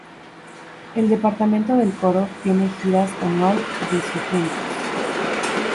El departamento del coro tiene giras anual de su juntos.